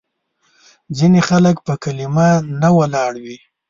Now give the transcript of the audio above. ځینې خلک په کلیمه نه ولاړ وي.